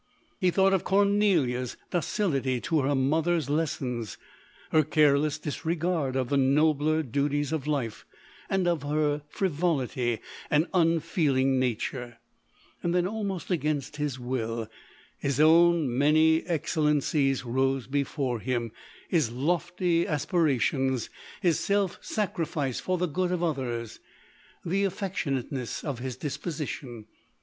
He thought of Cornelia's docility to her mother's lessons, her careless disregard of the nobler duties of life, of her frivolity and unfeeling nature :— then, almost against his will, his own many excellencies rose before him ;— his lofty aspirations, his self sacrifice for the good of others, the affectionateness of his disposition.